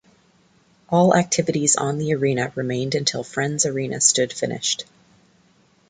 All activities on the arena remained until Friends Arena stood finished.